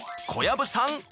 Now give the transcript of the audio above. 小籔さん